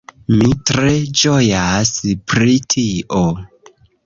Mi tre ĝojas pri tio!